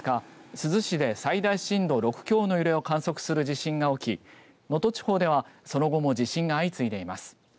珠洲市で最大震度６強の揺れを観測する地震が起き能登地方では、その後も地震が相次いでいます。